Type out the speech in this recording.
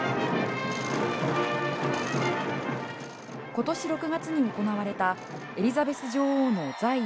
今年６月に行われたエリザベス女王の在位